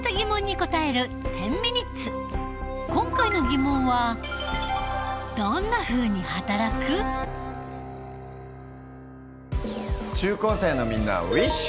今回の疑問は中高生のみんなウィッシュ！